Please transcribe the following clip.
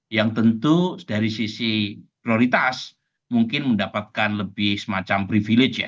yang tentu dari sisi prioritas mungkin mendapatkan lebih semacam privilege ya